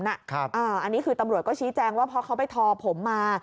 อันนี้คือตำรวจก็ชี้แจงว่าเพราะเขาไปทอผมมา